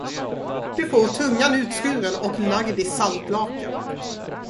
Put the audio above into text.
Du får tungan utskuren och lagd i saltlake.